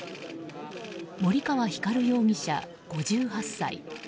森川光容疑者、５８歳。